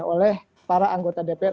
karena anggota dpr